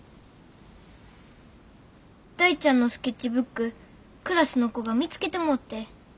大ちゃんのスケッチブッククラスの子が見つけてもうて。